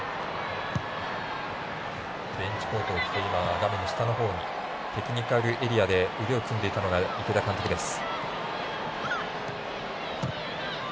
ベンチコートを着てテクニカルエリアで腕を組んでいたのが池田監督です。